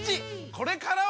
これからは！